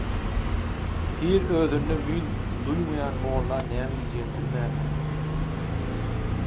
Pir özündе müýn duýmaýan mоlla nämе diýjеgini bilmändir.